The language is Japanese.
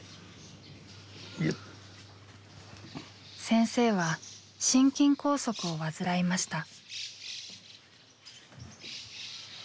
先生は心筋梗塞を患いました。